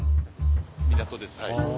港です。